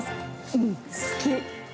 うん、好き。